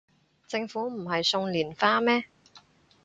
政府唔係送連花咩